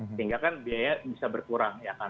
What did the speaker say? sehingga kan biaya bisa berkurang ya kan